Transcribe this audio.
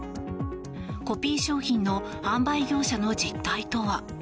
コピー商品の販売業者の実態とは。